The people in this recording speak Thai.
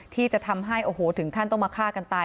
ที่จะทำให้โอ้โหถึงขั้นต้องมาฆ่ากันตาย